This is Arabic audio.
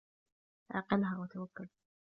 اعقلها وتوكل